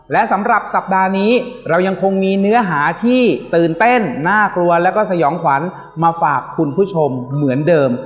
และสำหรับสัปดาห์นี้เรายังคงมีเนื้อหาที่ตื่นเต้นน่ากลัวแล้วก็สยองขวัญมาฝากคุณผู้ชมเหมือนเดิม